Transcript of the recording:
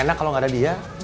gak enak kalo gak ada dia